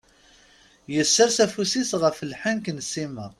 Yessers afus-is ɣef lḥenk n Sima.